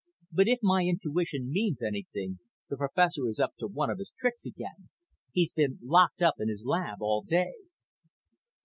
But if my intuition means anything, the professor is up to one of his tricks again. He's been locked up in his lab all day."